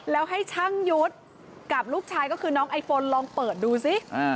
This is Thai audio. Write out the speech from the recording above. แล้วให้ช่างยุทธ์กับลูกชายก็คือน้องไอโฟนลองเปิดดูสิ